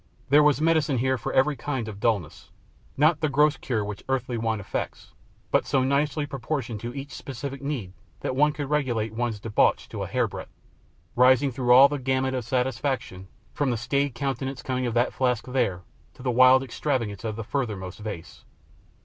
There was medicine here for every kind of dulness not the gross cure which earthly wine effects, but so nicely proportioned to each specific need that one could regulate one's debauch to a hairbreadth, rising through all the gamut of satisfaction, from the staid contentment coming of that flask there to the wild extravagances of the furthermost vase.